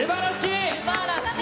すばらしい！